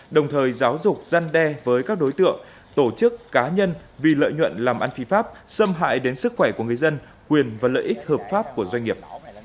đồng thời giáo dục gian đe với các đối tượng tổ chức cá nhân vì lợi nhuận làm ăn phi pháp xâm hại đến sức khỏe của người dân quyền và lợi ích hợp pháp của doanh nghiệp